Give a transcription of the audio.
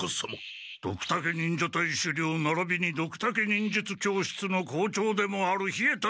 ドクタケ忍者隊首領ならびにドクタケ忍術教室の校長でもある稗田